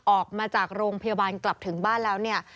ออกมาจากโรงพยาบาลกลับถึงบ้านแล้วเนี่ย